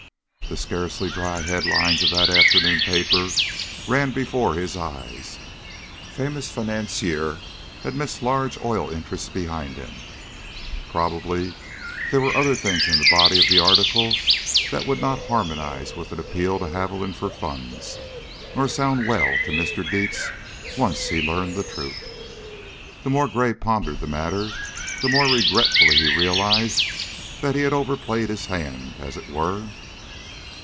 The scarcely dry headlines of that afternoon paper ran before his eyes "Famous Financier Admits Large Oil Interests Behind Him." Probably there were other things in the body of the article that would not harmonize with an appeal to Haviland for funds, nor sound well to Mr. Dietz, once he learned the truth. The more Gray pondered the matter, the more regretfully he realized that he had overplayed his hand, as it were.